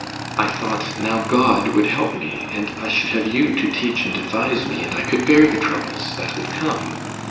I thought, now God would help me, and I should have you to teach and advise me, and I could bear the troubles that would come.